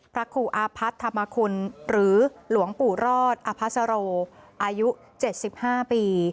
พระครูอาพัฒนธรรมคุณหรือหลวงปู่รอดอภัสโรอายุ๗๕ปี